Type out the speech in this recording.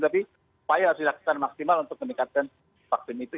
tapi supaya harus dilaksanakan maksimal untuk meningkatkan vaksin itu